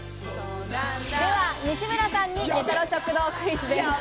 では西村さんにレトロ食堂クイズです。